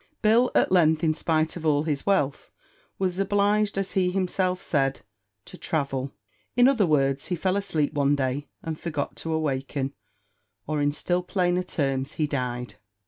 Bill, at length, in spite of all his wealth, was obliged, as he himself said, "to travel," in other words, he fell asleep one day, and forgot to awaken; or, in still plainer terms, he died.